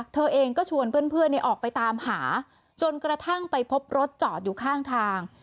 เธอเองก็ชวนเพื่อนออกไปตามหาจนกระทั่งไปพบรถจอดอยู่ข้างทาง